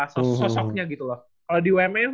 sosoknya gitu loh kalau di bumn